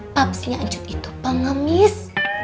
papsinya uncut itu pengemis